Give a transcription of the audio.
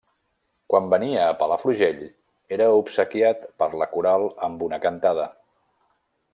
Quan venia a Palafrugell era obsequiat per la coral amb una cantada.